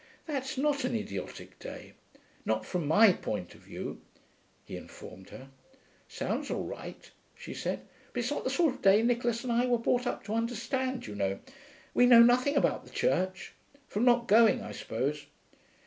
'That's not an idiotic day; not from my point of view,' he informed her. 'Sounds all right,' she said. 'But it's not the sort of day Nicholas and I were brought up to understand, you know. We know nothing about the Church. From not going, I suppose.'